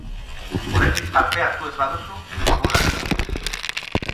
Oraindik parte hartu ez baduzu, formularioa.